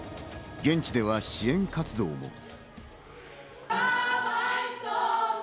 現地では支援活動も。